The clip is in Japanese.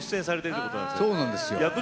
そうなんです。